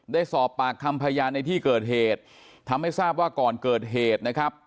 ได้สอบปากคำพยานในที่เกิดเหตุทำให้ทราบว่าก่อนเกิดเหตุนะครับ